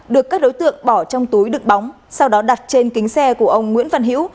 được các đối tượng bỏ trong túi đựng bóng sau đó đặt trên kính xe của ông nguyễn văn hữu